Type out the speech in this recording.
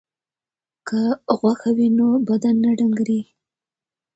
که غوښه وي نو بدن نه ډنګریږي.